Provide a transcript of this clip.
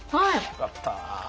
よかった。